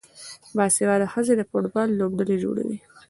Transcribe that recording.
باسواده ښځې د فوټبال لوبډلې جوړوي.